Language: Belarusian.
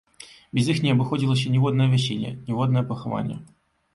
Без іх не абыходзілася ніводнае вяселле, ніводнае пахаванне.